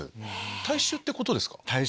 体臭ってことですか？